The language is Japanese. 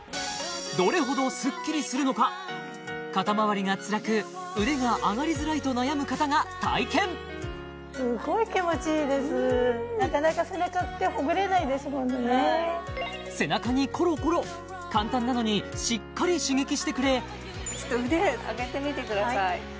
どれほどスッキリするのか肩まわりがつらく腕が上がりづらいと悩む方が体験背中にコロコロ簡単なのにしっかり刺激してくれちょっと腕上げてみてください